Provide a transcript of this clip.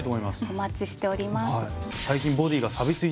お待ちしております。